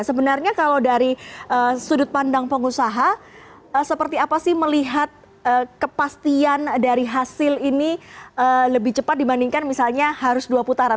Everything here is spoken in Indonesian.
sebenarnya kalau dari sudut pandang pengusaha seperti apa sih melihat kepastian dari hasil ini lebih cepat dibandingkan misalnya harus dua putaran